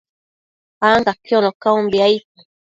ancaquiono caumbi, aid